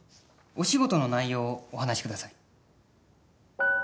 お仕事の内容をお話しください。